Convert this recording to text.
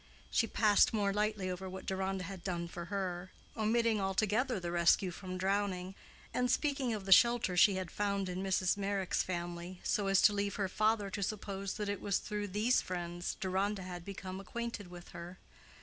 She passed more lightly over what Deronda had done for her, omitting altogether the rescue from drowning, and speaking of the shelter she had found in Mrs. Meyrick's family so as to leave her father to suppose that it was through these friends Deronda had become acquainted with her.